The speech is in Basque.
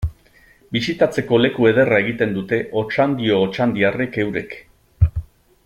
Bisitatzeko leku ederra egiten dute Otxandio otxandiarrek eurek.